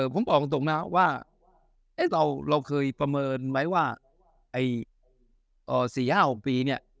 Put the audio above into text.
ผมบอกจริงนะว่าเราเคยประเมินไหมว่าไอ้สี่ห้าหกปีเนี่ย